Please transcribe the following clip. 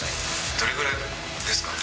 どれくらいですかね？